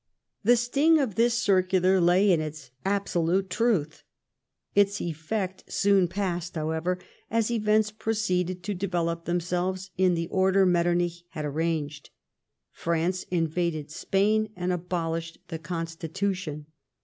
The sting of this circular lay in its absolute truth. Its effect soon passed, however, as events proceeded to develop themselves in the order Metternich had arranged. France invaded Spain and abolished the Constitution.